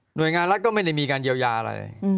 โดยงานรัฐก็ไม่ได้มีการเยียวยาอะไร